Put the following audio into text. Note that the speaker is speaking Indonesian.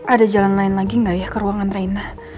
ada jalan lain lagi gak ya ke ruangan rena